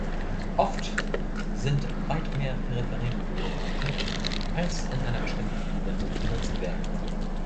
Oft sind weit mehr Peripherie-Module vorhanden, als in einer bestimmten Anwendung genutzt werden.